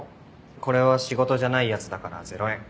これは仕事じゃないやつだから０円。